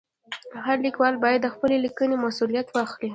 هر لیکوال باید د خپلې لیکنې مسؤلیت واخلي.